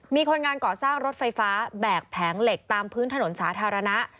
มีคนงานก่อสร้างรถไฟฟ้าแบกแผงเหล็กตามพื้นถนนสาธารณะ